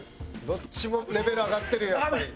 どっちもレベル上がってるやっぱり。